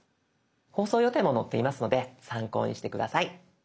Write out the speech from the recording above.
放送予定も載っていますので参考にして下さい。